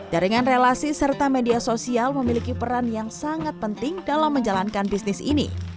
jaringan relasi serta media sosial memiliki peran yang sangat penting dalam menjalankan bisnis ini